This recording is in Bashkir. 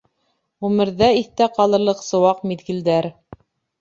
Ғүмерҙә иҫтә ҡалырлыҡ сыуаҡ миҙгелдәр....